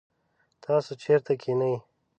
تاسو چیرته کښېنئ؟